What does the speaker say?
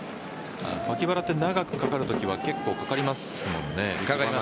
わき腹は長くかかるときは結構かかりますもんね。